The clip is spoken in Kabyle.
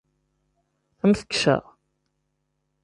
Ad am-t-kkseɣ?